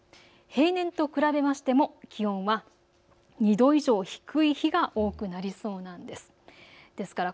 平年と比べましても気温は２度以上低い日が多くなりそうなんです。